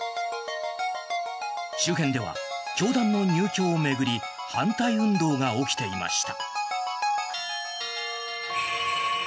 周辺では教団の入居を巡り反対運動が起きていました。